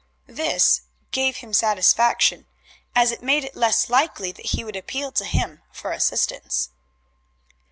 This gave him satisfaction, as it made it less likely that he would appeal to him for assistance.